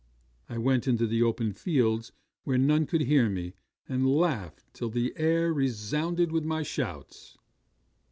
I went into the open fields where none could hear me, and laughed till the air resounded with my shouts!